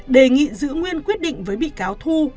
đề nghị giữ nguyên quyết định với bị cáo thu